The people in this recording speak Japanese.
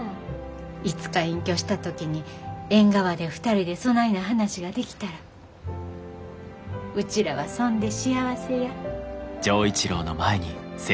いつか隠居した時に縁側で２人でそないな話ができたらうちらはそんで幸せや。